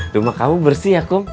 rumah kamu bersih ya kok